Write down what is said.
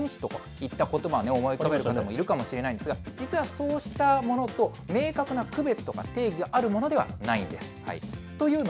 同人誌とかミニコミ誌といったことばを思い浮かべる方もいるかもしれないんですが、実は、そうしたものと明確な区別とか定義があるものではないんです。